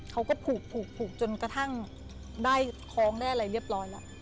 เขาก็ผูกผูกจนกระทั่งได้คล้องได้อะไรเรียบร้อยแล้ว